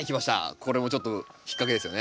これもちょっと引っ掛けですよね。